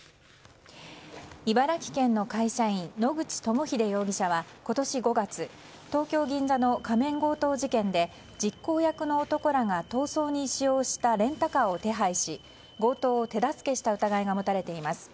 茨城県の会社員野口朋秀容疑者は今年５月東京・銀座の仮面強盗事件で実行役の男らが逃走に使用したレンタカーを手配し強盗を手助けした疑いが持たれています。